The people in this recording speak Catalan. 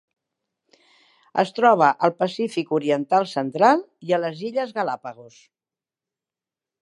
Es troba al Pacífic oriental central i a les Illes Galápagos.